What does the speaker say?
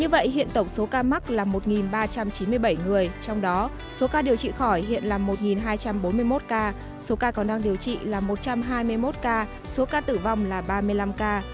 như vậy hiện tổng số ca mắc là một ba trăm chín mươi bảy người trong đó số ca điều trị khỏi hiện là một hai trăm bốn mươi một ca số ca còn đang điều trị là một trăm hai mươi một ca số ca tử vong là ba mươi năm ca